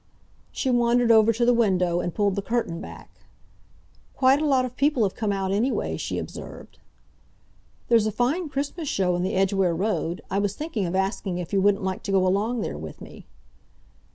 She wandered over to the window, and pulled the curtain back. "Quite a lot of people have come out, anyway," she observed. "There's a fine Christmas show in the Edgware Road. I was thinking of asking if you wouldn't like to go along there with me."